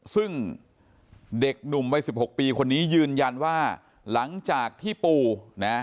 ซึ่งเด็กหนุ่มวัยสิบหกปีคนนี้ยืนยันว่าหลังจากที่ปู่นะ